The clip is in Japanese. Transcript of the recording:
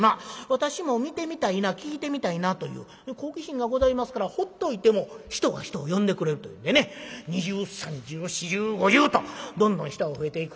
私も見てみたいな聞いてみたいなという好奇心がございますからほっといても人が人を呼んでくれるというんでね二重三重四重五重とどんどん人が増えていく。